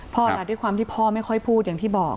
ด้วยความที่พ่อไม่ค่อยพูดอย่างที่บอก